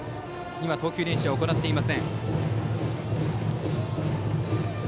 今、投球練習は行っていません。